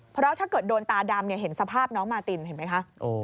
เพราะถ้าเกิดโดนตาดำเห็นสภาพน้องมาตินเห็นไหมคะ